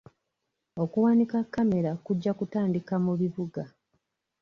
Okuwanika kamera kujja kutandika mu bibuga.